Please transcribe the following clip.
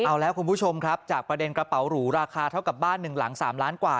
เอาแล้วคุณผู้ชมครับจากประเด็นกระเป๋าหรูราคาเท่ากับบ้านหนึ่งหลัง๓ล้านกว่า